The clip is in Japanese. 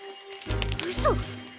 うそ！？